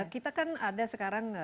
kita kan ada sekarang